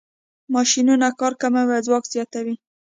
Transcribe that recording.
ماشینونه کار کموي او ځواک زیاتوي.